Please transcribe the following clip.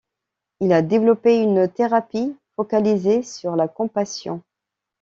Il a développé une thérapie focalisée sur la compassion.